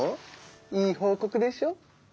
いい報告でしょ？